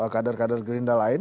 kadar kadar gerindra lain